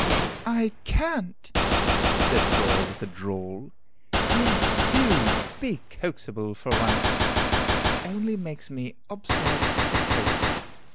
"I can't!" said Flora with a drawl. "Yes, do! Be coaxable, for once!" "It only makes me obstinate to coax.